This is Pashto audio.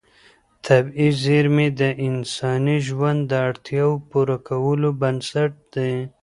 طبیعي زېرمې د انساني ژوند د اړتیاوو پوره کولو بنسټ دي.